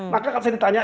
maka kalau saya ditanya